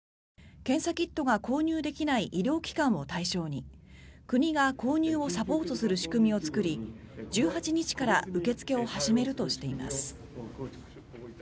検査キットが購入できない医療機関を対象に国が購入をサポートする仕組みを作り１８日から受け付けを始めるとしています。